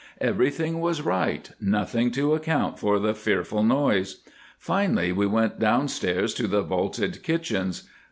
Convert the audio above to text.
"Everything was right—nothing to account for the fearful noise. Finally, we went downstairs to the vaulted kitchens.